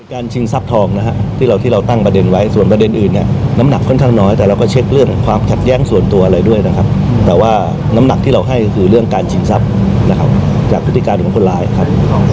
ชิงทรัพย์ทองนะฮะที่เราที่เราตั้งประเด็นไว้ส่วนประเด็นอื่นเนี่ยน้ำหนักค่อนข้างน้อยแต่เราก็เช็คเรื่องความขัดแย้งส่วนตัวอะไรด้วยนะครับแต่ว่าน้ำหนักที่เราให้ก็คือเรื่องการชิงทรัพย์นะครับจากพฤติการของคนร้ายครับ